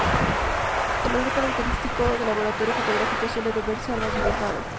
El olor característico del laboratorio fotográfico suele deberse al baño de paro.